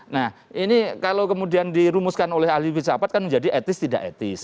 nah ini kalau kemudian dirumuskan oleh ahli fizapat kan menjadi etis tidak etis